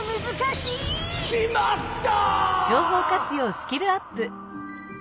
「しまった！」。